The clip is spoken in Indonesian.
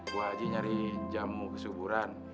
bu aji nyari jamu kesuburan